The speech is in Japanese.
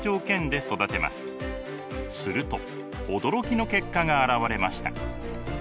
すると驚きの結果が現れました。